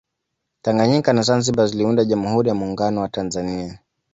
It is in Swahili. tanganyika na zanzibar ziliunda jamhuri ya muungano wa tanzania